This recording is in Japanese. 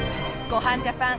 『ごはんジャパン』